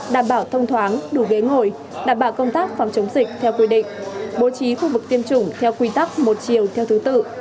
đảm bảo thông thoáng đủ ghế ngồi đảm bảo công tác phòng chống dịch theo quy định bố trí khu vực tiêm chủng theo quy tắc một chiều theo thứ tự